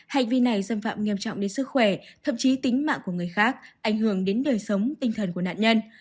hành vi này xâm phạm nghiêm trọng đến sức khỏe thậm chí tính mạng của người khác ảnh hưởng đến đời sống tinh thần của nạn nhân